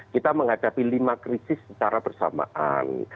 kita menghadapi lima krisis secara bersamaan